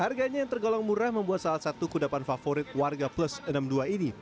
harganya yang tergolong murah membuat salah satu kudapan favorit warga plus enam puluh dua ini